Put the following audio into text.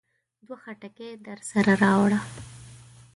دوه خټکي درسره راوړه.